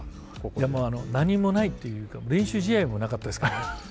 でもあの何もないっていうか練習試合もなかったですからね。